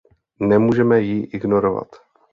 Nemůžeme ji ignorovat.